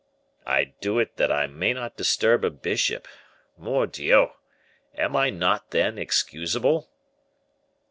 "I do it that I may not disturb a bishop. Mordioux! am I not, then, excusable?"